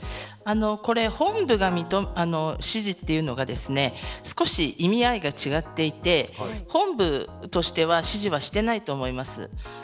本部が指示というのが少し意味合いが違っていて本部としては指示はしてないと思いますね。